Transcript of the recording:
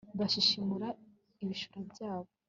bashishimura ibishura byabo